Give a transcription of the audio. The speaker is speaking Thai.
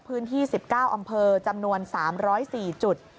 พื้นที่๑๙อำเภอจำนวน๓๐๔จุด